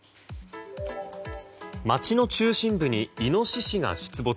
街の中心部にイノシシが出没。